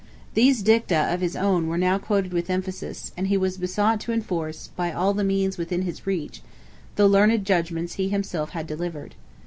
These dicta of his own were now quoted with emphasis, and he was besought to enforce, by all the means within his reach, the learned judgments he himself had delivered.